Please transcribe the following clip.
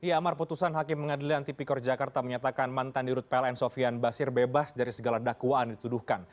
ya amar putusan hakim pengadilan tipikor jakarta menyatakan mantan di rut pln sofian basir bebas dari segala dakwaan dituduhkan